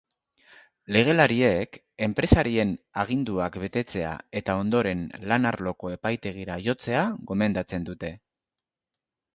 Legelariek enpresariaren aginduak betetzea eta ondoren lan-arloko epaitegira jotzea gomendatzen dute.